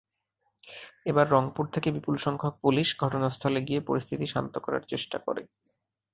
এরপর রংপুর থেকে বিপুলসংখ্যক পুলিশ ঘটনাস্থলে গিয়ে পরিস্থিতি শান্ত করার চেষ্টা করে।